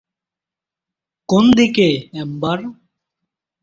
কোন দিকে, এম্বার।